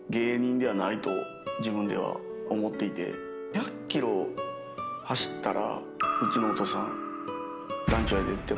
１００ｋｍ走ったら。